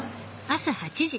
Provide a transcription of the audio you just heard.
朝８時。